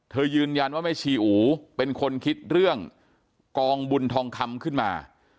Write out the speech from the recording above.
ยืนยันว่าแม่ชีอูเป็นคนคิดเรื่องกองบุญทองคำขึ้นมา